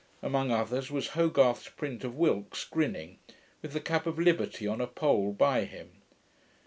Among others, was Hogarth's print of Wilkes grinning, with the cap of liberty on a pole by him.